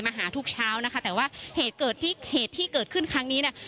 หาทุกเช้านะคะแต่ว่าเหตุเกิดที่เหตุที่เกิดขึ้นครั้งนี้เนี่ย